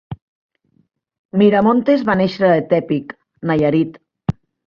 Miramontes va néixer a Tepic, Nayarit.